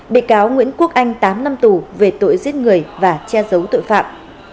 bị cáo nguyễn quốc anh tám năm tù về tội giết người và che giấu tội phạm